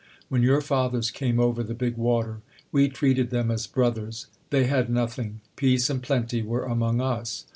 When your fathers came over the big water, we treated them as brothers : they had nothing: peace and plenty were among us.